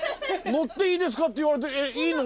「乗っていいですか？」って言われてえっいいの？